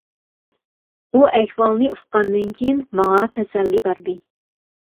ئۇ ئەھۋالنى ئۇققاندىن كېيىن ماڭا تەسەللى بەردى.